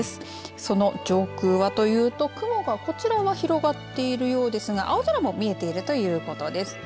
その上空はというと雲はこちらは広がっているようですが青空も見えているということです。